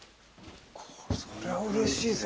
そりゃうれしいぜ。